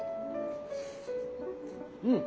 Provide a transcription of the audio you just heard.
うん。